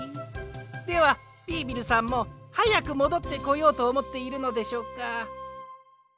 ではビービルさんもはやくもどってこようとおもっているのでしょうか？